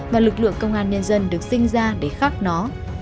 và lực lượng công an nhân dân được sinh ra để khắc nó